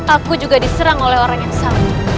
aku juga diserang oleh orang yang sama